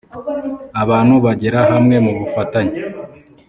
abantu bagera hamwe mu bufatanye